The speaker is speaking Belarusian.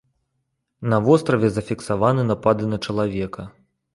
На востраве зафіксаваны напады на чалавека.